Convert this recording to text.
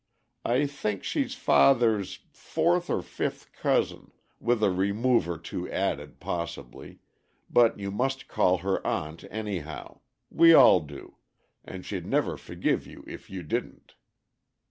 I think she's father's fourth or fifth cousin, with a remove or two added, possibly, but you must call her 'Aunt' anyhow; we all do, and she'd never forgive you if you didn't.